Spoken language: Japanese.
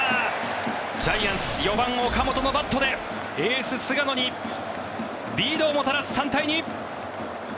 ジャイアンツ４番、岡本のバットでエース、菅野にリードをもたらす３対２。